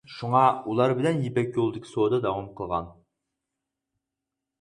شۇڭا ئۇلار بىلەن يىپەك يولىدىكى سودا داۋام قىلغان.